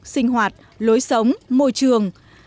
sinh hoạt lối sống môi trường